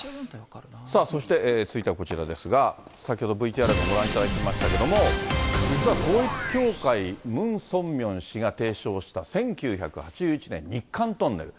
そして続いてはこちらですが、先ほどＶＴＲでもご覧いただきましたけれども、実は統一教会、ムン・ソンミョン氏が提唱した１９８１年、日韓トンネル。